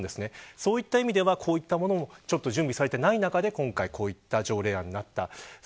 そういった意味ではこういったものも準備されていない中でこの条例案になっています。